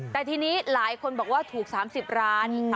แต่ทีนี้หลายคนบอกว่าถูก๓๐ล้าน